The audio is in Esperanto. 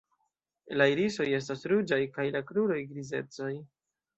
La irisoj estas ruĝaj kaj la kruroj grizecaj.